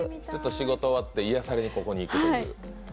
仕事終わって、癒やされにここに行くという。